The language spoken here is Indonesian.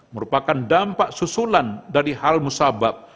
merupakan dampak susulan dari hal musabab